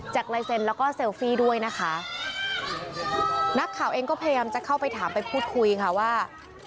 ลายเซ็นต์แล้วก็เซลฟี่ด้วยนะคะนักข่าวเองก็พยายามจะเข้าไปถามไปพูดคุยค่ะว่า